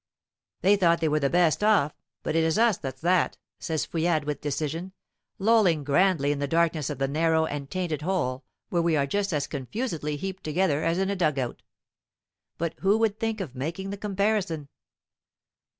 "They thought they were the best off, but it's us that's that," says Fouillade with decision, lolling grandly in the darkness of the narrow and tainted hole where we are just as confusedly heaped together as in a dug out. But who would think of making the comparison?